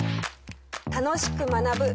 『楽しく学ぶ！